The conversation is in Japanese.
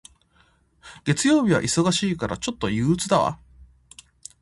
月曜日は忙しいから、ちょっと憂鬱だわ。